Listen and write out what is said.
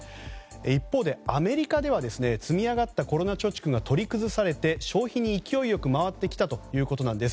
一方で、アメリカでは積み上がったコロナ貯蓄が取り崩されて消費に勢いよく回ってきたということです。